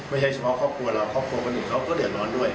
ไม่ใช่เฉพาะครอบครัวเราครอบครัวคนอื่นเขาก็เดือดร้อนด้วย